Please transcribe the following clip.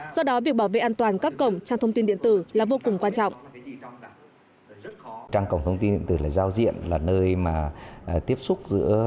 do đó việc bảo vệ an toàn các cổng trang thông tin điện tử là vô cùng quan trọng